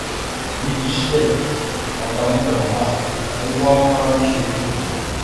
Mege shəlek ata mazlarəma, oŋŋgoŋa ma mishe irəge.